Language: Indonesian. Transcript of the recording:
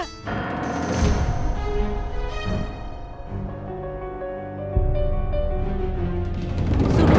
kamu jangan salahkan bella